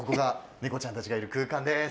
猫ちゃんたちがいる空間です。